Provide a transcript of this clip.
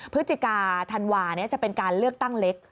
พฤศจิกาธันวาจะเป็นการเลือกตั้งเล็ก